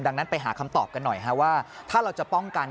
ดังนั้นไปหาคำตอบกันหน่อยว่าถ้าเราจะป้องกัน